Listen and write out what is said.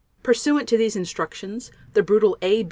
Pursuant to these instructions the brutal A.